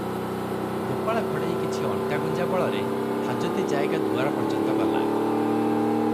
ଗୋପାଳ ଘଡ଼େଇ କିଛି ଅଣ୍ଟାଗୁଞ୍ଜା ବଳରେ ହାଜତି ଜାଏଗା ଦୁଆର ପର୍ଯ୍ୟନ୍ତ ଗଲା ।